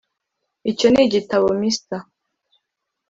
Icyo ni igitabo Mr